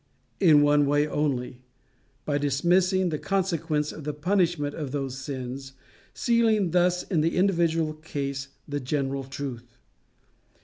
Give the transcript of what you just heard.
In one way only: by dismissing the consequence, the punishment of those sins, sealing thus in the individual case the general truth.